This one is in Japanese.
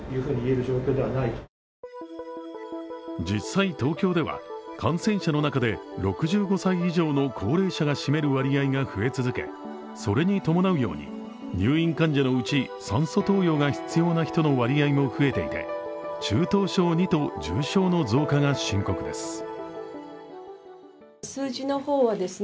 実際東京では感染者の中で６５歳以上の高齢者が占める割合が増え続け、それに伴うように入院患者のうち、酸素投与が必要な方の割合も増えていて中等症Ⅱと重症の増加が深刻です。